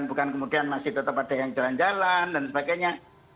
bukan kemudian masih tetap ada yang jalan jalan dan sebagainya